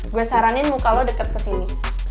gue saranin muka lo deket kesini